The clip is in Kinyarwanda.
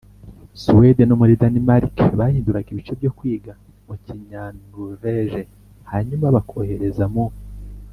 Suwede no muri Danimarike Bahinduraga ibice byo kwigwa mu kinyanoruveje hanyuma bakohereza mu